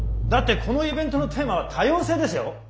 だってこのイベントのテーマは「多様性」ですよ？